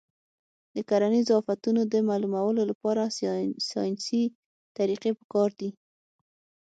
د کرنیزو آفتونو د معلومولو لپاره ساینسي طریقې پکار دي.